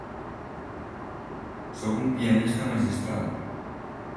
Soc un pianista magistral.